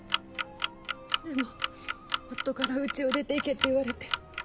でも夫からうちを出ていけって言われて。